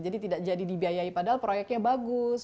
jadi tidak jadi dibiayai padahal proyeknya bagus